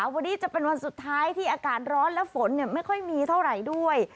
วันนี้จะเป็นวันสุดท้ายที่อากาศร้อนและฝนไม่ค่อยมีเท่าไหร่ด้วย